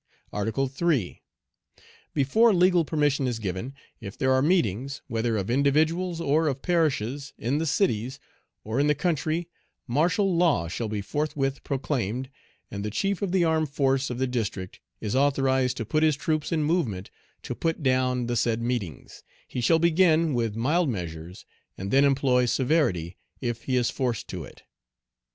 "Article 3. Before legal permission is given, if there are meetings, whether of individuals or of parishes, in the cities, or in the country, martial law shall be forthwith proclaimed, and Page 116 the chief of the armed force of the district is authorized to put his troops in movement to put down the said meetings; he shall begin with mild measures, and then employ severity, if he is forced to it.